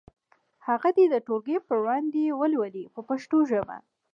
هغه دې د ټولګي په وړاندې ولولي په پښتو ژبه.